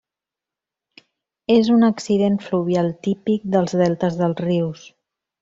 És un accident fluvial típic dels deltes dels rius.